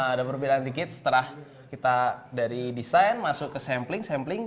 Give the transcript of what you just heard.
ada perbedaan dikit setelah kita dari desain masuk ke sampling sampling